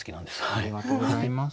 ありがとうございます。